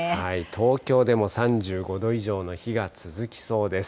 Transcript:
東京でも３５度以上の日が続きそうです。